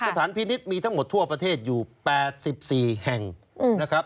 สถานพินิษฐ์มีทั้งหมดทั่วประเทศอยู่๘๔แห่งนะครับ